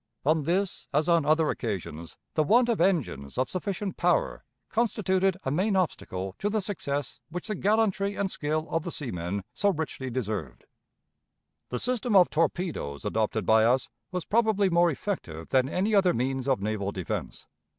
On this as on other occasions, the want of engines of sufficient power constituted a main obstacle to the success which the gallantry and skill of the seamen so richly deserved. The system of torpedoes adopted by us was probably more effective than any other means of naval defense.